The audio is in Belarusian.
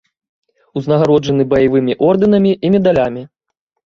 Узнагароджаны баявымі ордэнамі і медалямі.